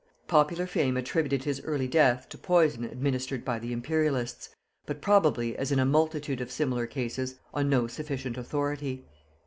Popular fame attributed his early death to poison administered by the Imperialists, but probably, as in a multitude of similar cases, on no sufficient authority.